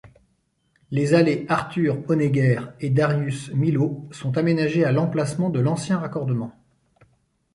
Les allées Arthur-Honegger et Darius-Milhaud sont aménagées à l'emplacement de l'ancien raccordement.